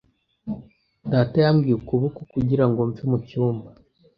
Data yambwiye ukuboko kugira ngo mve mu cyumba.